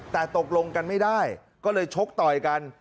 แต่ตกลงกันไม่ได้ก็เลยชกต่อยกัน